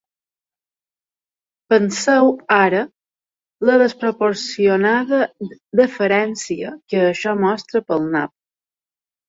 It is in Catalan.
Penseu ara la desproporcionada deferència que això mostra pel nap.